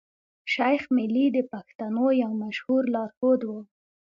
شېخ ملي د پښتنو يو مشهور لار ښود وو.